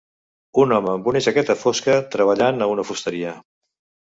Un home amb una jaqueta fosca treballant a una fusteria.